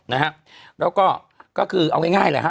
แล้วก็คือเอาง่ายเลย